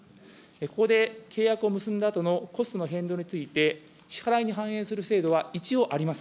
ここで契約を結んだあとのコストの変動について、支払いに反映する制度は一応あります。